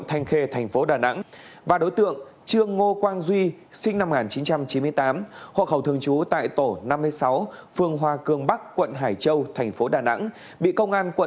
tỉnh cao bằng